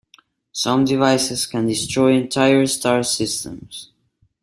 Some devices can destroy entire star systems.